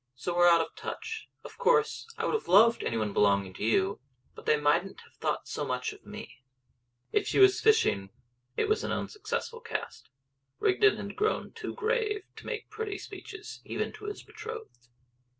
So we're out of touch. Of course I would have loved any one belonging to you; but they mightn't have thought so much of me." If she was fishing it was an unsuccessful cast. Rigden had grown too grave to make pretty speeches even to his betrothed.